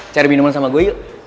cari minuman sama gue yuk